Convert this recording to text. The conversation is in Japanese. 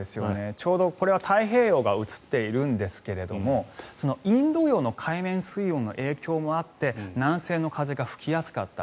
ちょうどこれは太平洋が映っているんですがインド洋の海面水温の影響もあって南西の風が吹きやすかった。